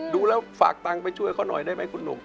ดูแล้วฝากตังค์ไปช่วยเขาหน่อยได้ไหมคุณหนุ่ม